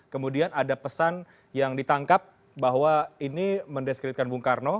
kemudian ada pesan yang ditangkap bahwa ini mendeskreditkan bung karno